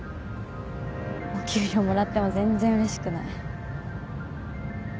お給料もらっても全然うれしくない